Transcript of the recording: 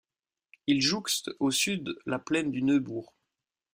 Il jouxte au sud la plaine du Neubourg.